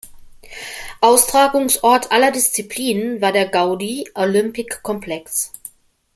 Austragungsort aller Disziplinen war der Goudi Olympic Complex.